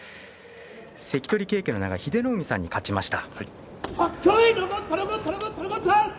関取経験の長い英乃海さんに勝ちました。